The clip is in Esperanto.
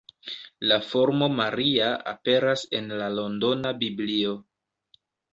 La formo Maria aperas en la Londona Biblio.